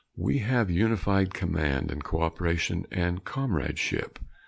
We have unified command and cooperation and comradeship.